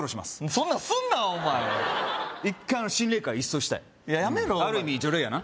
そんなんすんなお前一回心霊界一掃したいやめろある意味除霊やな